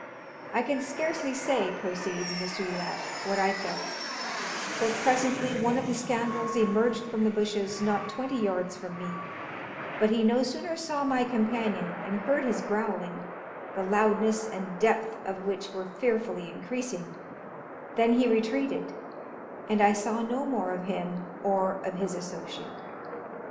"I can scarcely say," proceeds Mr. Youatt, "what I felt; for presently one of the scoundrels emerged from the bushes, not twenty yards from me; but he no sooner saw my companion, and heard his growling, the loudness and depth of which were fearfully increasing, than he retreated, and I saw no more of him or of his associate.